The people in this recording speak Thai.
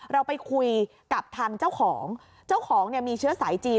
เราไปคุยกับทางเจ้าของเจ้าของเนี่ยมีเชื้อสายจีน